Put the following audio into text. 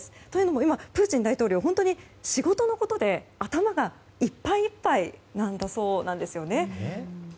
というのも、プーチン大統領は今、仕事のことで頭がいっぱいいっぱいなんだそうなんですね。